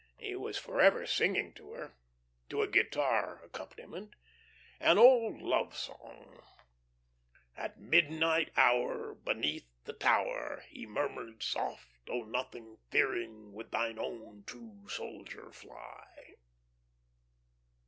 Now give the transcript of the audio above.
He was forever singing to her to a guitar accompaniment an old love song: "At midnight hour Beneath the tower He murmured soft, 'Oh nothing fearing With thine own true soldier fly.'"